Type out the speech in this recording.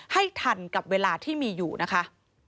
ให้ทันกับเวลาที่มีอยู่นะคะ